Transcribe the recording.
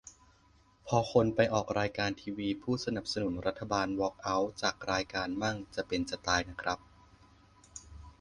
พอคนไปออกรายการทีวีพูดสนับสนุนรัฐบาลวอล์กเอาท์จากรายการมั่ง จะเป็นจะตายนะครับ